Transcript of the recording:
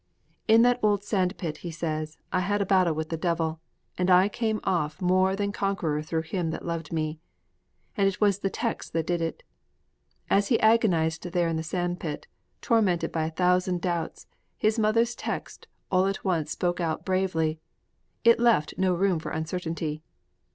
'In that old sand pit,' he says, 'I had a battle with the devil; and I came off more than conqueror through Him that loved me.' And it was the text that did it. As he agonized there in the sand pit, tormented by a thousand doubts, his mother's text all at once spoke out bravely. It left no room for uncertainty.